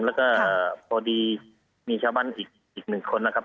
แล้วก็พอดีมีชาวบ้านอีกหนึ่งคนนะครับ